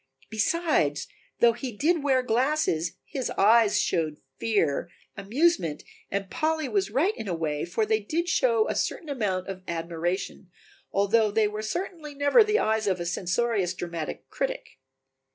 Besides, though he did wear glasses, his eyes showed fear, amusement and Polly was right in a way, for they did show a certain amount of admiration, although they were certainly never the eyes of a censorious dramatic critic.